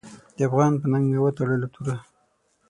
د افغان په ننګ مې وتړله توره .